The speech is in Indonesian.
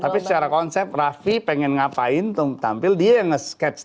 tapi secara konsep raffi pengen ngapain tuh tampil dia yang nge sketch